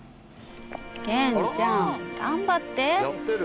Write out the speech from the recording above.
ケンちゃん頑張って。